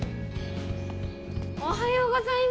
おはようございます！